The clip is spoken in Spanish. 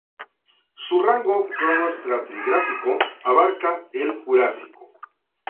Su rango cronoestratigráfico abarca el Jurásico.